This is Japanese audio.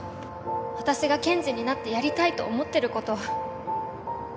私が検事になってやりたいと思ってることは